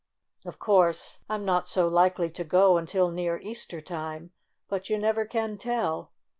"Of course, I'm not so likely to go until near Easter time. But you never can tell.